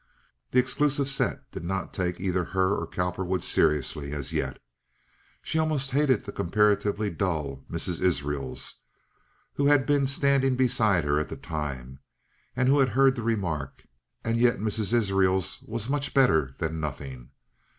The exclusive set did not take either her or Cowperwood seriously as yet. She almost hated the comparatively dull Mrs. Israels, who had been standing beside her at the time, and who had heard the remark; and yet Mrs. Israels was much better than nothing.